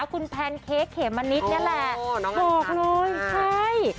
คุณแพนเค้กเขมมะนิดนี่แหละโอ้น้องอันชันบอกเลยใช่